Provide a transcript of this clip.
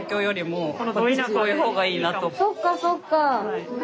そっかそっか。